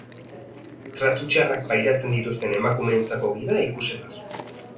Tratu txarrak pairatzen dituzten emakumeentzako gida ikus ezazu.